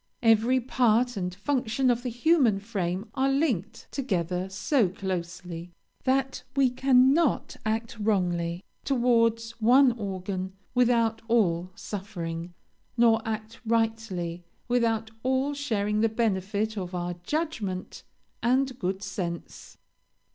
Every part and function of the human frame are linked together so closely, that we cannot act wrongly towards one organ without all suffering, nor act rightly without all sharing the benefit of our judgment and good sense.